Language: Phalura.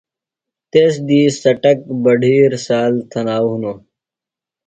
تس دی څٹک، بڈِھیر، سال، تھناؤ ہِنوۡ۔